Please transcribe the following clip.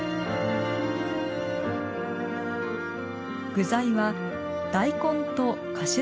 具材は大根とかしら